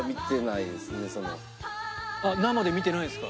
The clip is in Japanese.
あっ生で見てないですか？